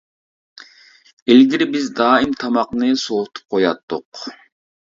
ئىلگىرى بىز دائىم تاماقنى سوۋۇتۇپ قوياتتۇق.